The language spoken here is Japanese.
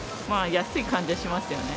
安い感じはしますよね。